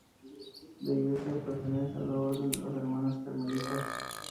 La iglesia pertenece a la orden de las hermanas carmelitas.